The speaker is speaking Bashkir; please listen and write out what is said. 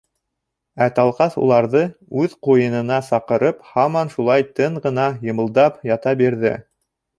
Ә Талҡаҫ, уларҙы үҙ ҡуйынына саҡырып, һаман шулай тын ғына йымылдап ята бирҙе.